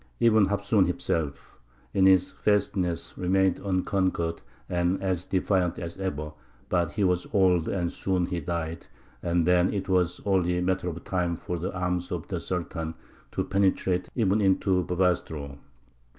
Ibn Hafsūn himself, in his fastness, remained unconquered and defiant as ever, but he was old, and soon he died, and then it was only a matter of time for the arms of the Sultan to penetrate even into Bobastro.